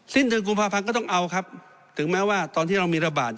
สิ้นเดือนกุมภาพันธ์ก็ต้องเอาครับถึงแม้ว่าตอนที่เรามีระบาด